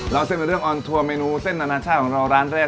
เส้นเป็นเรื่องออนทัวร์เมนูเส้นอนาชาติของเราร้านแรก